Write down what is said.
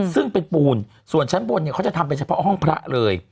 ซึ่งเป็นปูนส่วนชั้นบนเนี่ยเขาจะทำไปเฉพาะห้องพระเลย